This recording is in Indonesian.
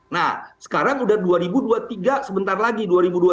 nah sekarang udah dua ribu dua puluh tiga sebentar lagi